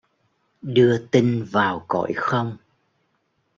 Đưa tinh vào cõi không.